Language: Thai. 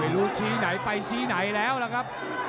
รู้ชี้ไหนไปชี้ไหนแล้วล่ะครับ